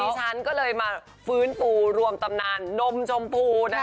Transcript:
ที่ฉันก็เลยมาฟื้นปูรวมตำนานนมจมพู